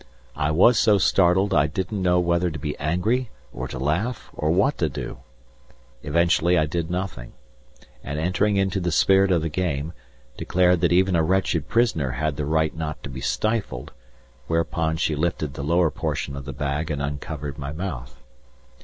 I was so startled I didn't know whether to be angry, or to laugh, or what to do. Eventually I did nothing, and, entering into the spirit of the game, declared that even a wretched prisoner had the right not to be stifled, whereupon she lifted the lower portion of the bag and uncovered my mouth.